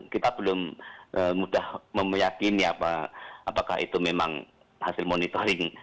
kita belum mudah memeyakini apakah itu memang hasil monitoring